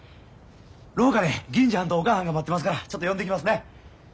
廊下で銀次はんとおかあはんが待ってますからちょっと呼んできますね。